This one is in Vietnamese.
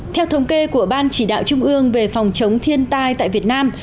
theo thống kê của ban chỉ đạo trung ương về phòng chống thiên tai tại việt nam